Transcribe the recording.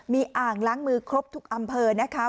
มีอ่างล้างมือครบทุกอำเภอนะคะ